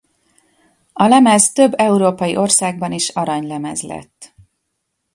A lemez több európai országban is aranylemez lett.